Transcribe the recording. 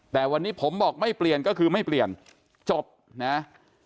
แต่วันนี้ผมบอกไม่เปลี่ยนก็คือไม่เปลี่ยนจบนะ